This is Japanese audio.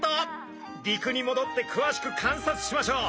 陸にもどってくわしく観察しましょう。